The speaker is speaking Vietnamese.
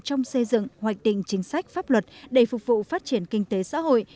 trong xây dựng hoạch định chính sách pháp luật để phục vụ phát triển kinh tế xã hội